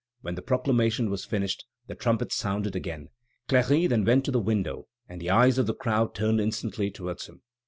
When the proclamation was finished, the trumpets sounded again. Cléry then went to the window, and the eyes of the crowd turned instantly towards him.